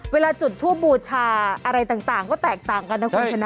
เวลาจุดทูบบูชาอะไรต่างก็แตกต่างกันนะคุณชนะ